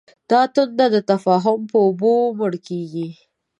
دا تنده د تفاهم په اوبو مړ کېږي.